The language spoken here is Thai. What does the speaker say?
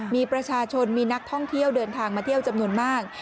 มีประชาชนมีนักท่องเที่ยวเดินทางมาเที่ยวจำนวนมาก